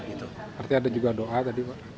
berarti ada juga doa tadi pak